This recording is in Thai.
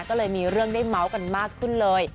ก็เลยมีเรื่องได้เมาส์กันมากขึ้นเลย